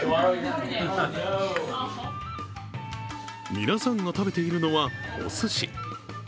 皆さんが食べているのは、おすし。